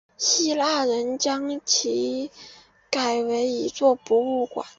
希腊人将其改为一座博物馆。